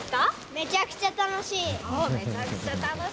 めちゃくちゃ楽しい。